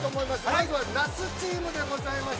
まずは、那須チームでございます。